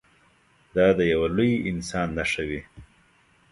دا د یوه لوی انسان نښه وي.